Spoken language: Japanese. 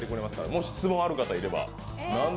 もし質問ある方いれば。